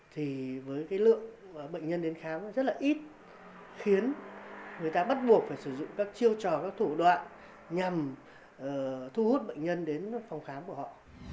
thì với cái lượng bệnh nhân đến khám rất là ít khiến người ta bắt buộc phải sử dụng các chiêu trò các thủ đoạn nhằm thu hút bệnh nhân đến phòng khám của họ